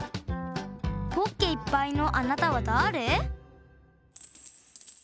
ポッケいっぱいのあなたはだれ？